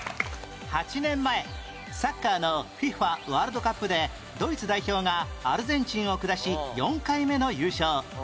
８年前サッカーの ＦＩＦＡ ワールドカップでドイツ代表がアルゼンチンを下し４回目の優勝